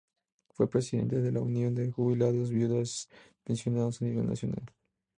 Fue presidente de la Unión de Jubilados, Viudas y Pensionados a nivel nacional.